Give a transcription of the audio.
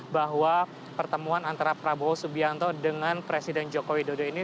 bahwa pertemuan antara prabowo subianto dengan presiden joko widodo ini